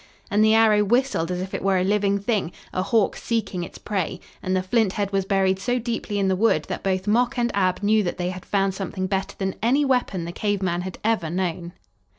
And the arrow whistled as if it were a living thing, a hawk seeking its prey, and the flint head was buried so deeply in the wood that both Mok and Ab knew that they had found something better than any weapon the cave men had ever known!